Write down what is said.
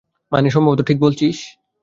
মানে, সম্ভবত ঠিক বলছিস।